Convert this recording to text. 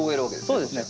そうですね。